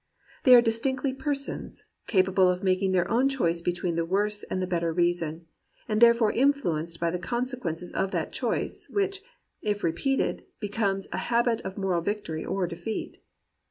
They are distinctly persons, capable of making their own choice between the worse and the better reason, and thereafter influenced by the conse quences of that choice, which, if repeated, becomes a habit of moral victory or defeat.